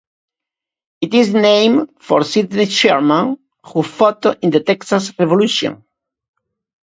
It is named for Sidney Sherman, who fought in the Texas Revolution.